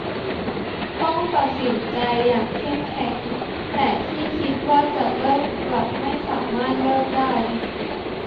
ต้องตัดสินใจอย่างเข้มแข็ง แต่ที่คิดว่าจะเลิกกลับไม่สามารถเลิกได้